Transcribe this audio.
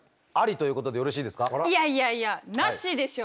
いやいやいやナシでしょ！